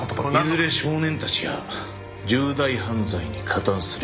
いずれ少年たちが重大犯罪に加担するようになる。